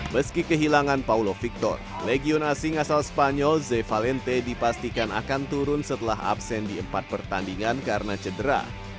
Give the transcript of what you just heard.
meski kehilangan paulo victor legion asing asal spanyol ze valente dipastikan akan turun setelah absen di empat pertandingan karena cedera